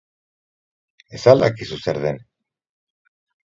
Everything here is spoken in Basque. Ez al dakizu zer den?